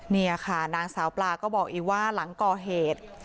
นี่ค่ะนางสาวปลาก็บอกอีกว่าหลังก่อเหตุ